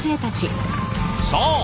そう！